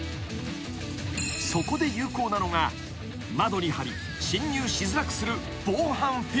［そこで有効なのが窓に張り侵入しづらくする］